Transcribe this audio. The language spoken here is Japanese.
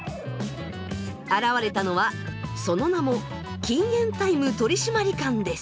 現れたのはその名も禁煙タイム取締官です。